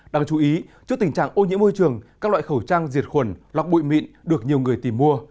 đáng chú ý trước tình trạng ô nhiễm môi trường các loại khẩu trang diệt khuẩn lọc bụi mịn được nhiều người tìm mua